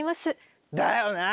だよな。